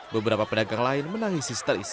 beberapa pedagang lain menangis histeris